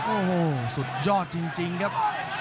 โอ้โหสุดยอดจริงครับ